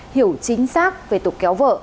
hiểu chính xác về tục kéo vợ